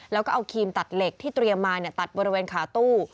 แล้วก็เอาครีมตัดเหล็กที่เตรียมมาตัดบริเวณขาตู้